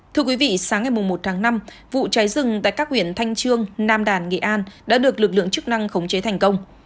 thưa quý vị sáng ngày một tháng năm vụ cháy rừng tại các huyện thanh trương nam đàn nghị an đã được lực lượng chức năng khống chế thành công